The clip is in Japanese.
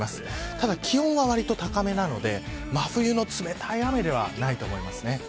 ただ、気温はわりと高めなので真冬の冷たい雨ではないと思います。